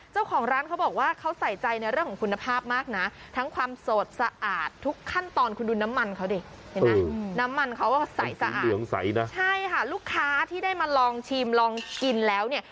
ใช่ค่ะลูกค้าที่มาลองชิมลองกินแล้วเนี่ย